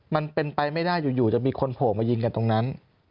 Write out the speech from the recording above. มันเป็นไปไม่ได้อยู่จะมีคนโผล่มายิงกันตรงนั้น